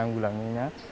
yang mau menanggulanginya